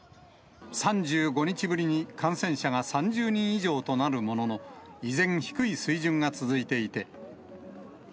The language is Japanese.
３５日ぶりに感染者が３０人以上となるものの、依然、低い水準が続いていて。